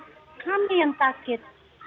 jadi kami yang sakit